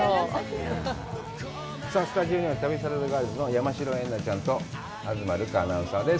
さあ、スタジオには旅サラダガールズの山代エンナちゃんと東留伽アナウンサーです。